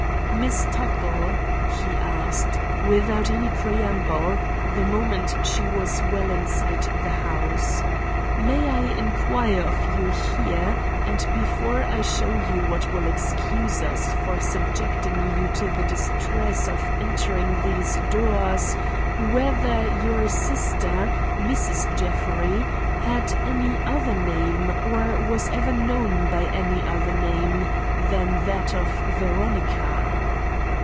"Miss Tuttle," he asked, without any preamble, the moment she was well inside the house, "may I inquire of you here, and before I show you what will excuse us for subjecting you to the distress of entering these doors, whether your sister, Mrs. Jeffrey, had any other name or was ever known by any other name than that of Veronica?"